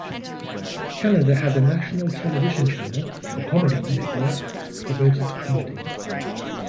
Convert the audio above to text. Canada has a national television channel, The Comedy Network, devoted to comedy.